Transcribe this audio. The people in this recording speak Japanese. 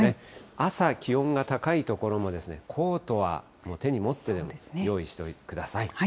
朝、気温が高い所も、コートは手に持って、用意してください。